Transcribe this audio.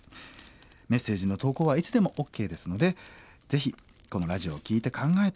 メッセージの投稿はいつでもＯＫですのでぜひこのラジオを聴いて考えたことあなたの思い